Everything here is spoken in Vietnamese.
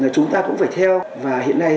chúng ta cũng phải theo và hiện nay